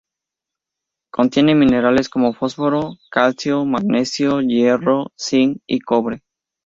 Contiene minerales como fósforo, calcio, magnesio, hierro, zinc y cobre.